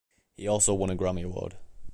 He also won a Grammy Award.